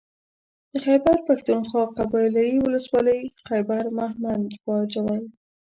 د خېبر پښتونخوا قبايلي ولسوالۍ خېبر مهمند باجوړ